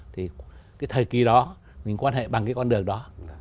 thì cái thời kỳ đó mình quan hệ bằng cái con đường đó